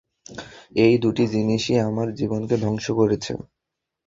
এই দুটি জিনিসই আমার জীবনকে ধ্বংস করেছে।